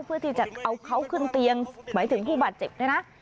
เพื่อที่จะเอาเขาขึ้นเตียงหมายถึงผู้บาดเจ็บด้วยนะ